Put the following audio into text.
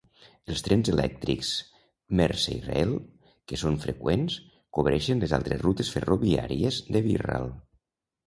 Els trens elèctrics Merseyrail, que són freqüents, cobreixen les altres rutes ferroviàries de Wirral.